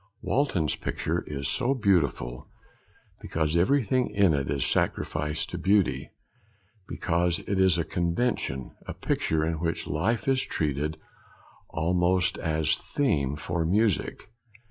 Walton's picture is so beautiful because everything in it is sacrificed to beauty; because it is a convention, a picture in which life is treated almost as theme for music.